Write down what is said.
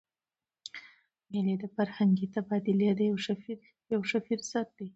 مېلې د فرهنګي تبادلې یو ښه فرصت يي.